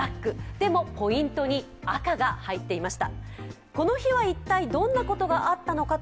でもポイントに赤が入っていました。